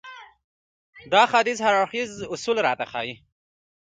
دا حديث هر اړخيز اصول راته ښيي.